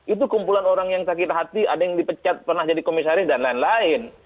itu kumpulan orang yang sakit hati ada yang dipecat pernah jadi komisaris dan lain lain